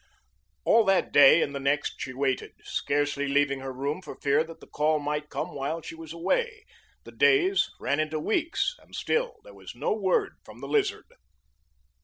All that day and the next she waited, scarcely leaving her room for fear that the call might come while she was away. The days ran into weeks and still there was no word from the Lizard.